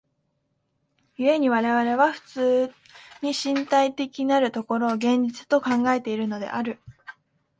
故に我々は普通に身体的なる所を現実と考えているのである。